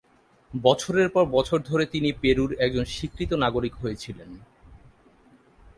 বছরের পর বছর ধরে তিনি পেরুর একজন স্বীকৃত নাগরিক হয়েছিলেন।